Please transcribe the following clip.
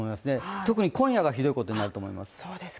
特に今夜がひどいことになると思います。